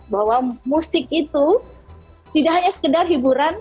bahwa musik itu tidak hanya sekedar hiburan